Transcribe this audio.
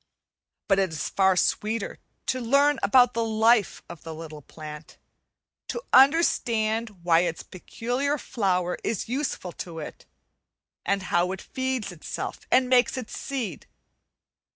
But it is far sweeter to learn about the life of the little plant, to understand why its peculiar flower is useful to it, and how it feeds itself, and makes its seed.